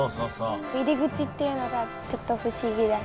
入り口っていうのがちょっと不思議だ。